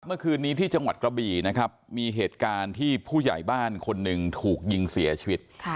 เมื่อคืนนี้ที่จังหวัดกระบี่นะครับมีเหตุการณ์ที่ผู้ใหญ่บ้านคนหนึ่งถูกยิงเสียชีวิต